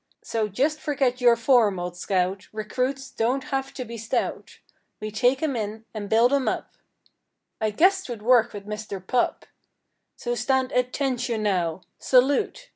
So just forget your form, old scout; Recruits don't have to be stout; We take 'em in and build 'em up— I guess 'twould work with Mister Pup— So stand ATTENTION, now—Salute!